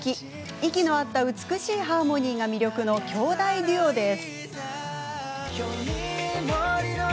息の合った美しいハーモニーが魅力の兄弟デュオです。